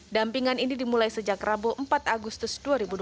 dampingan ini dimulai sejak rabu empat agustus dua ribu dua puluh